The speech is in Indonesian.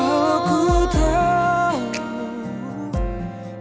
walau ku tahu